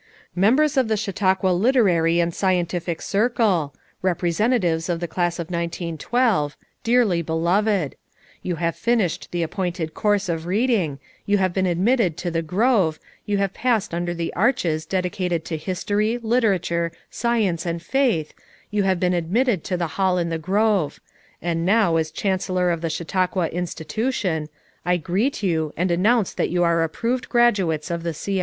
290 FOUR MOTHERS AT CHAUTAUQUA "Members of the Chautauqua Literary and Scien tific Circle; Representatives of the Class of 1912; Dearly beloved: You have finished the appointed course of reading, you have been admitted to the grove, you have passed under the arches dedicated to His tory, Literature, Science and Faith, you have been admitted to the Hall in the Grove ; and now as Chan cellor of the Chautauqua Institution, I greet you, and announce that you are approved graduates of the C. L. S. C.